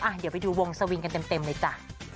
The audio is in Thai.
เดี๋ยวไปดูวงสวิงกันเต็มเลยจ้ะ